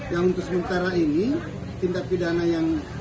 yang untuk sementara ini tindak pidana yang